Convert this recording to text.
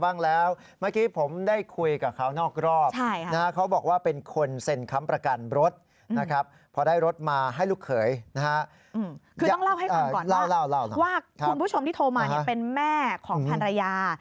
ต้องเล่าให้คนก่อนว่าว่าคุณผู้ชมที่โทรมาเป็นแม่ของภรรยา